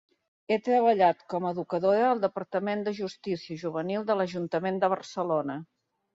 Ha treballat com a educadora al Departament de Justícia Juvenil de l'Ajuntament de Barcelona.